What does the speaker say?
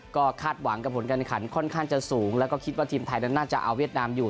ก็คาดหวังกับผลการขันค่อนข้างจะสูงแล้วก็คิดว่าทีมไทยนั้นน่าจะเอาเวียดนามอยู่